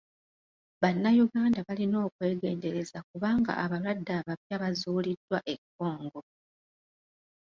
Bannayuganda balina okwegendereza kubanga abalwadde abapya bazuuliddwa e Congo